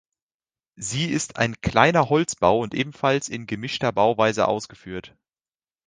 Sie ist ein kleiner Holzbau und ebenfalls in gemischter Bauweise ausgeführt.